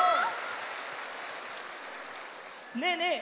ねえねえ